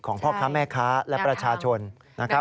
พ่อค้าแม่ค้าและประชาชนนะครับ